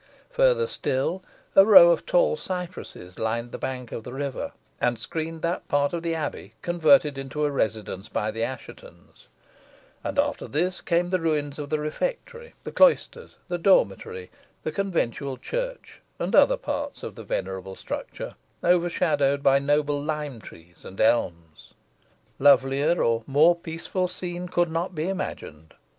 Further still, a row of tall cypresses lined the bank of the river, and screened that part of the Abbey, converted into a residence by the Asshetons; and after this came the ruins of the refectory, the cloisters, the dormitory, the conventual church, and other parts of the venerable structure, overshadowed by noble lime trees and elms. Lovelier or more peaceful scene could not be imagined.